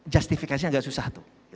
justifikasinya agak susah